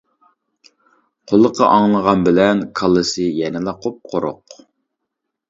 قۇلىقى ئاڭلىغان بىلەن، كاللىسى يەنىلا قۇپقۇرۇق.